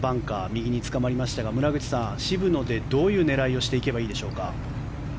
右につかまりましたが村口さん、渋野でどういう狙いをしていけばいいでしょうか。